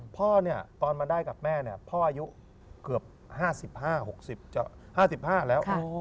พอตอนมาได้กับแม่พ่ออายุ๕๕แล้ว